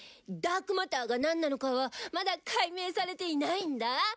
ダークマターがなんなのかはまだ解明されていないんだ。